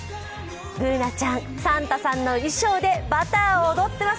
Ｂｏｏｎａちゃん、サンタさんの衣装で「Ｂｕｔｔｅｒ」を踊ってます。